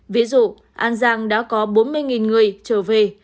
ví dụ an giang đã có bốn mươi người trở về